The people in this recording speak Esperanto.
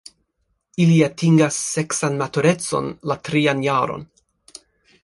Ili atingas seksan maturecon la trian jaron.